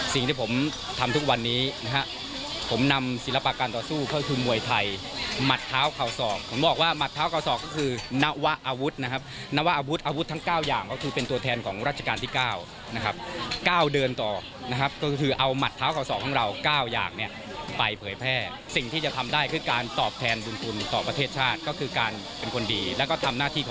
สิ่งที่ผมทำทุกวันนี้นะฮะผมนำศิลปะการต่อสู้ก็คือมวยไทยหมัดเท้าเข่าศอกผมบอกว่าหมัดเท้าเข่าศอกก็คือนวะอาวุธนะครับนวะอาวุธอาวุธทั้ง๙อย่างก็คือเป็นตัวแทนของราชการที่๙นะครับ๙เดือนต่อนะครับก็คือเอาหมัดเท้าเข่าศอกของเรา๙อย่างเนี่ยไปเผยแพร่สิ่งที่จะทำได้คือการตอบแทนบุญคุณต่อประเทศชาติก็คือการเป็นคนดีแล้วก็ทำหน้าที่ก